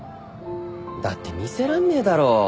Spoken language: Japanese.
だって見せらんねえだろ。